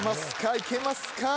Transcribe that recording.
いけますか？